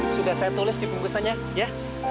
sudah saya tulis di bungkusannya ya